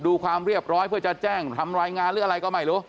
ความเรียบร้อยเพื่อจะแจ้งทำรายงานหรืออะไรก็ไม่รู้